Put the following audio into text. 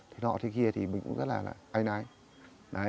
thế kia thì mình cũng rất là